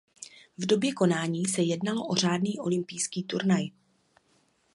V době konání se jednalo o řádný olympijský turnaj.